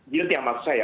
yaudah tiamat saya